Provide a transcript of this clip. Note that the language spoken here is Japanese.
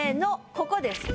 ここです。